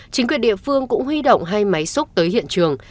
chính quyền địa phương cũng huy động hai máy xúc tới hiện trường